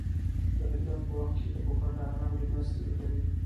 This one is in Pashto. د هجرت په وخت کې يې په پټه نغدې مرستې لېږلې.